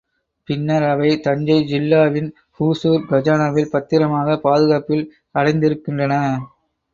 பின்னர் அவை தஞ்சை ஜில்லாவின் ஹுசூர் கஜானாவில் பத்திரமாகப் பாதுகாப்பில் அடைந்திருக்கின்றன.